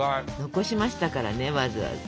残しましたからねわざわざ。